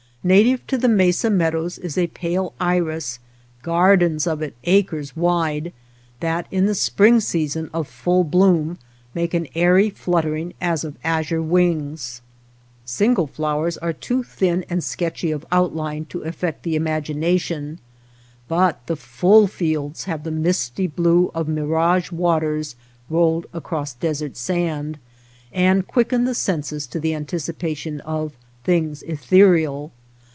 Native to the mesa meadows is a pale iris, gardens of it acres wide, that in the spring season of full bloom make an airy fluttering as of azure 237 OTHER WATER BORDERS \vins:s. Sin2:le flowers are too thin and sketchy of outline to affect the imagination, but the full fields have the misty blue of mirage waters rolled across desert sand, and quicken the senses to the anticipation of things ethereal.